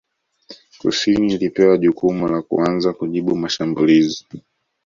Kusini ilipewa jukumu la kuanza kujibu mashambulizi